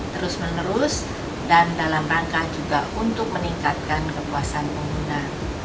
terus menerus dan dalam rangka juga untuk meningkatkan kepuasan pengguna